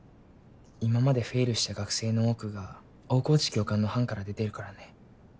今までフェイルした学生の多くが大河内教官の班から出ているからね。